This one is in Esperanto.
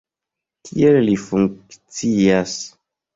Tiel li funkcias.